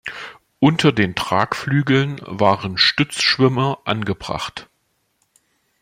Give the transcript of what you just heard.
Unter dem Tragflügel waren Stützschwimmer angebracht.